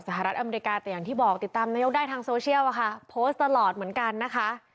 สหรัฐอเมริกาแต่อย่างที่บอกติดตามนายกได้ทางโซเชียลอะค่ะโพสต์ตลอดเหมือนกันนะคะ